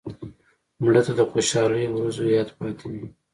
مړه ته د خوشحالۍ ورځو یاد پاتې دی